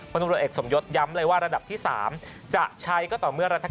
ตำรวจเอกสมยศย้ำเลยว่าระดับที่๓จะใช้ก็ต่อเมื่อรัฐ